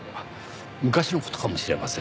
昔の事かもしれません。